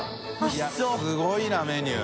いやすごいなメニュー。